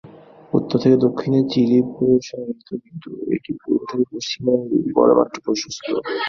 উত্তর থেকে দক্ষিণে চিলি প্রসারিত কিন্তু এটি পূর্ব থেকে পশ্চিমে গড়ে মাত্র প্রশস্ত।